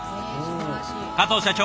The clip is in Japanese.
加藤社長